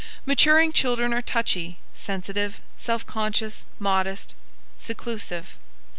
Maturing children are touchy, sensitive, self conscious, modest, seclusive.